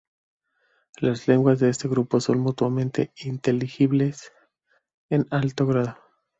Las lenguas de este grupo son mutuamente inteligibles en alto grado.